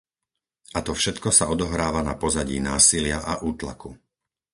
A to všetko sa odohráva na pozadí násilia a útlaku.